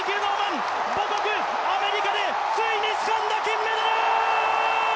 母国・アメリカでついにつかんだ金メダル！